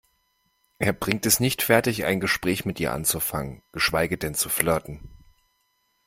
Er bringt es nicht fertig, ein Gespräch mit ihr anzufangen, geschweige denn zu flirten.